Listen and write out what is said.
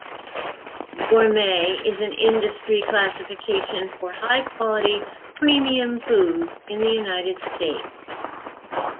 Gourmet is an industry classification for high-quality premium foods in the United States.